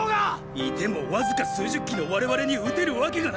いてもわずか数十騎の我々に討てるわけがない！